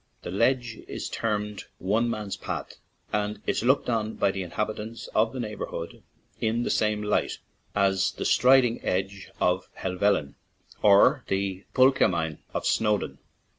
This ledge is termed the " One Man's Path/' and is looked on by the inhab itants of the neighborhood in the same light as the Striding Edge of Helvellyn, or the Bwlch y Maen of Snowdon.